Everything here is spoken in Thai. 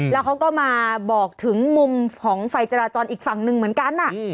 แล้วเขาก็มาบอกถึงมุมของไฟจราจรอีกฝั่งหนึ่งเหมือนกัน